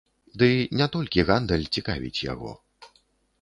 Ды не толькі гандаль цікавіць яго.